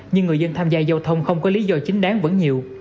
nhưng người dân tham gia giao thông không có lý do chính đáng vẫn nhiều